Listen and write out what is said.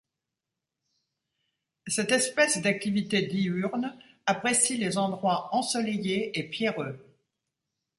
Cette espèce d'activité diurne apprécie les endroits ensoleillés et pierreux.